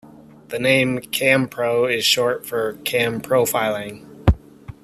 The name "CamPro" is short for "Cam Profiling".